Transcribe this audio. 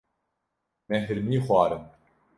Me hirmî xwarin.